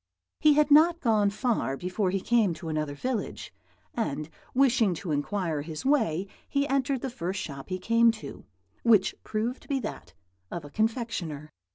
"He had not gone far before he came to another village, and wishing to inquire his way he entered the first shop he came to, which proved to be that of a confectioner.